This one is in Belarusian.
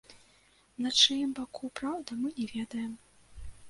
На чыім баку праўда, мы не ведаем.